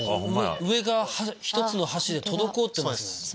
上が１つの橋で滞ってます。